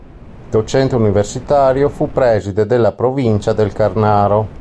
Docente universitario, fu Preside della Provincia del Carnaro.